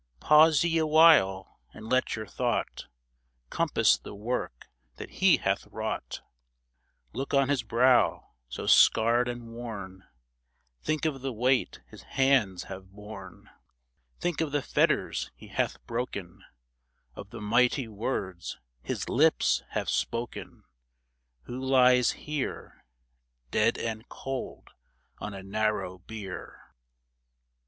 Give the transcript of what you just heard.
Pause ye awhile and let your thought Compass the work that he hath wrought ; Look on his brow so scarred and worn ; Think of the weight his hands have borne ; Think of the fetters he hath broken, Of the mighty words his lips have spoken Who lies here Dead and cold on a narrow bier